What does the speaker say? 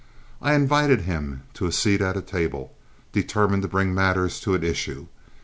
I invited him to a seat at a table, determined to bring matters to an issue.